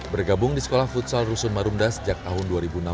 bergabung di sekolah futsal rusun marunda sejak tahun dua ribu enam belas